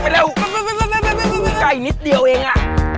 ไอ้ไก่นิดเดียวเองอะ